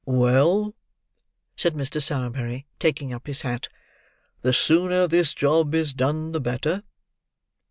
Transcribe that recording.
"Well," said Mr. Sowerberry, taking up his hat, "the sooner this job is done, the better.